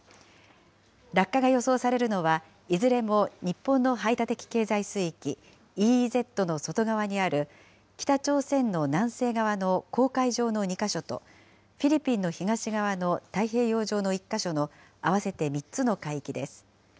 落下が予想されるのは、いずれも日本の排他的経済水域・ＥＥＺの外側にある北朝鮮の南西側の黄海上の２か所と、フィリピンの東側の太平洋上の１か所の合わせて３つの海域です。